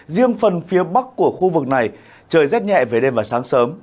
riêng phần phía bắc của khu vực này trời rét nhẹ về đêm và sáng sớm